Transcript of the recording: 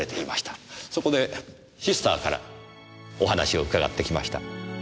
そこでシスターからお話を伺ってきました。